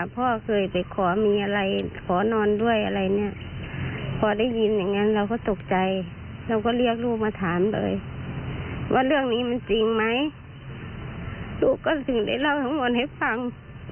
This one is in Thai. เป็นจริงมั้ยลูกก็สิ่งเลยเร่าทั้งหมดให้ฟัง